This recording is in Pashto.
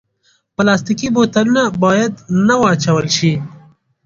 پلاستيکي بوتلونه باید نه واچول شي.